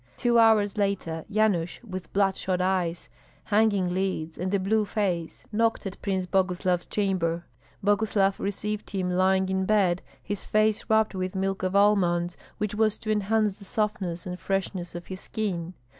Two hours later, Yanush, with bloodshot eyes, hanging lids, and a blue face, knocked at Prince Boguslav's chamber. Boguslav received him lying in bed, his face rubbed with milk of almonds, which was to enhance the softness and freshness of his skin.